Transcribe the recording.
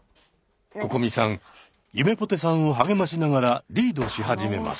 ここみさんゆめぽてさんを励ましながらリードし始めます。